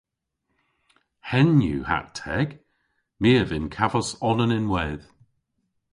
Henn yw hatt teg. My a vynnkavos onan ynwedh.